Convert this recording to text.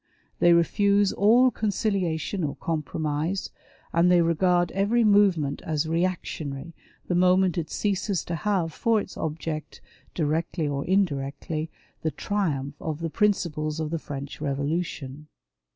They refuse all conciliation or compromise, and they regard every movement as " reactionary " the moment it ceases to have for its object, directly or indirectly, the triumph of the principles of the French Revolution.